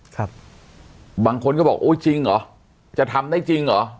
ครับบางคนก็บอกโอ้ยจริงเหรอจะทำได้จริงเหรอ